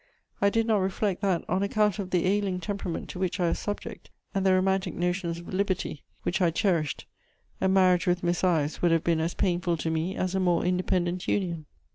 I did not reflect that, on account of the ailing temperament to which I was subject, and the romantic notions of liberty which I cherished, a marriage with Miss Ives would have been as painful to me as a more independent union.